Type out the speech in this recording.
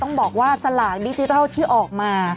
ต้องบอกว่าสลักนิวสระดิสูจน์ที่ออกมา